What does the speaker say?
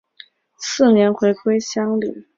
次年回归乡里。